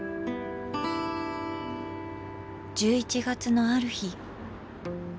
１１月のある日。